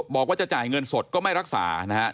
บอกว่าจะจ่ายเงินสดก็ไม่รักษานะครับ